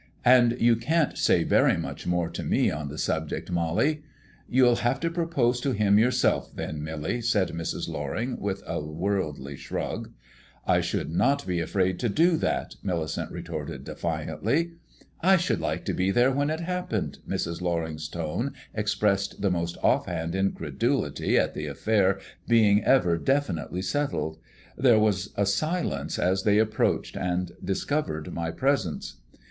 And you can't say very much more to me on the subject, Mollie." "You'll have to propose to him yourself, then, Millie," said Mrs. Loring, with a worldly shrug. "I should not be afraid to do that," Millicent retorted defiantly. "I should like to be there when it happened." Mrs. Loring's tone expressed the most offhand incredulity in the affair being ever definitely settled. There was a silence as they approached and discovered my presence.